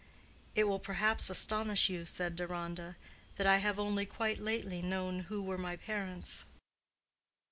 "It will perhaps astonish you," said Deronda, "that I have only quite lately known who were my parents."